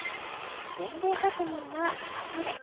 年齢確認は「あとで」。